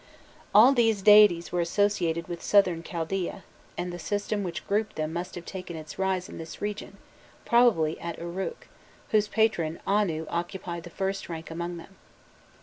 All these deities were associated with Southern Chaldoa, and the system which grouped them must have taken its rise in this region, probably at Uruk, whose patron Anu V occupied the first rank among them.